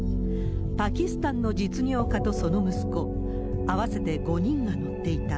パキスタンの実業家とその息子、合わせて５人が乗っていた。